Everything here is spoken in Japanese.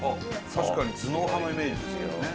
確かに頭脳派のイメージですけどね。